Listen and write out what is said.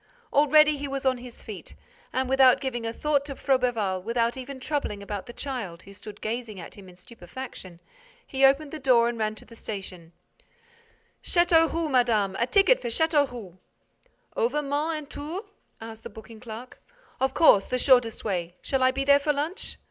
Already he was on his feet and, without giving a thought to Froberval, without even troubling about the child, who stood gazing at him in stupefaction, he opened the door and ran to the station: "Châteauroux, madame—a ticket for Châteauroux—" "Over Mans and Tours?" asked the booking clerk. "Of course—the shortest way. Shall I be there for lunch?"